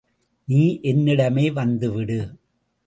நீ என்னிடமே வந்துவிடு.